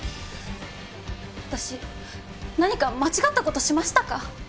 私何か間違った事しましたか！？